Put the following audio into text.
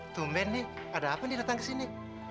tumen nih ada apa nih datang kesini